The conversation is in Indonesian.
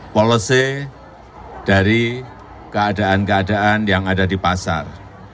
policy dari keadaan keadaan yang ada di pasar